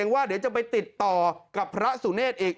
ว่าเดี๋ยวจะไปติดต่อกับพระสุเนธอีก